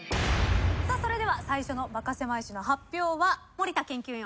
さあそれでは最初のバカせまい史の発表は森田研究員。